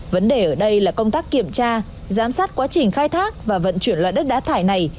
vấn đề ở đây là công tác kiểm tra giám sát quá trình khai thác và vận chuyển loại đất đá thải này